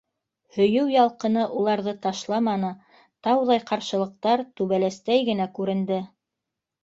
Һөйөү ялҡыны уларҙы ташламаны, тауҙай ҡаршылыҡтар түбәләстәй генә күренде.